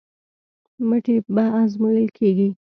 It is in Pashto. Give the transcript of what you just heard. مټې به ازمویل کېږي.